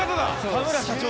田村社長。